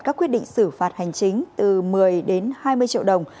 các quyết định xử phạt hành chính từ một mươi đến hai mươi triệu đồng